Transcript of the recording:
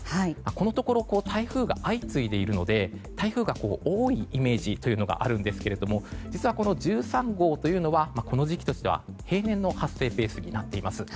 このところ台風が相次いでいるので台風が多いイメージというのがあるんですけれども実は、この１３号というのはこの時期としては平年の発生ペースになっています。